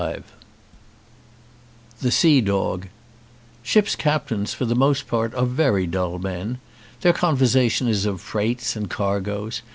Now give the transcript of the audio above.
213 Mil THE SEA DOG SHIPS' captains for the most part are very dull men. Their conversation is of freights and cargoes.